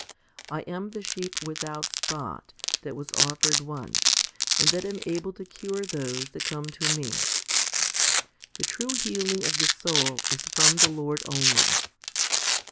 5 I am the sheep without spot, that was offered once, and that am able to cure those that come to Me." The true healing of the soul is from the Lord only.